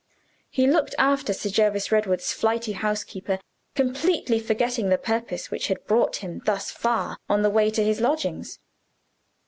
He looked after Sir Jervis Redwood's flighty housekeeper, completely forgetting the purpose which had brought him thus far on the way to his lodgings.